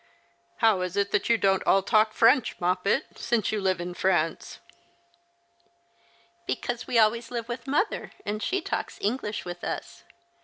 " How is it you don't all talk French, Moppet, since you live in France ?"" Because we always live with mother, and she talks English with us.